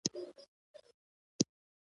ښوونځی ماشومانو ته د همکارۍ ارزښت ښيي.